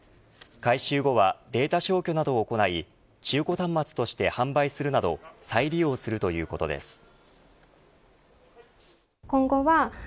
回収後はデータ消去などを行い中古端末として販売するなど再利用するということです。